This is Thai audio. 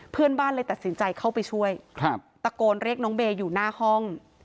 เพื่อนบ้านเลยตัดสินใจเข้าไปช่วยตะโกนเรียกน้องเบย์อยู่หน้าห้อง